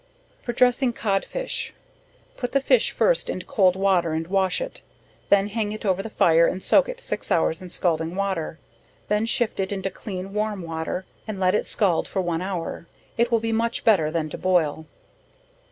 For dressing Codfish. Put the fish first into cold water and wash it, then hang it over the fire and soak it six hours in scalding water, then shift it into clean warm water, and let it scald for one hour, it will be much better than to boil.